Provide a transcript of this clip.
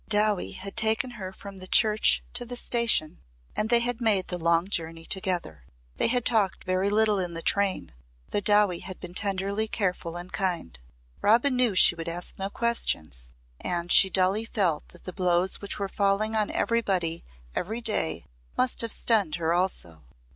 Dowie had taken her from the church to the station and they had made the long journey together. They had talked very little in the train though Dowie had been tenderly careful and kind. Robin knew she would ask no questions and she dully felt that the blows which were falling on everybody every day must have stunned her also.